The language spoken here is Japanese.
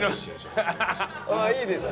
ああいいですよ。